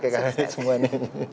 bapak bapak kakek kakek semua ini